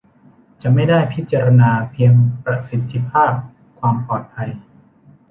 จะไม่ได้พิจารณาเพียงประสิทธิภาพ ความปลอดภัย